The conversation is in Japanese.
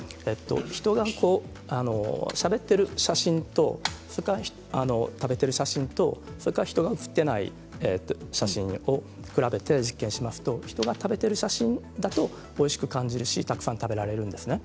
人がしゃべっている写真とそれから食べている写真とそれから人が写っていない写真も比べて実験しますと人が食べている写真だとおいしく感じるしたくさん食べられるんですね。